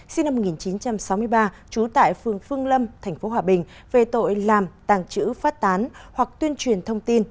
sinh năm một nghìn chín trăm sáu mươi ba trú tại phường phương lâm tp hòa bình về tội làm tàng trữ phát tán hoặc tuyên truyền thông tin